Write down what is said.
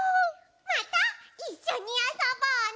またいっしょにあそぼうね！